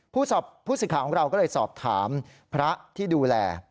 ผู้สิทธิ์ของเราก็เลยสอบถามพระที่ดูแล